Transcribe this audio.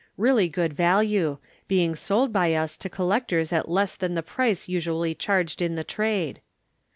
Really good value; being sold by us to collectors at less than the price usually charged in the trade.